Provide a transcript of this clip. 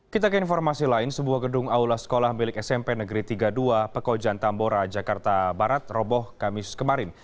kita ke informasi lain sebuah gedung aula sekolah milik smp negeri tiga puluh dua pekojan tambora jakarta barat roboh kamis kemarin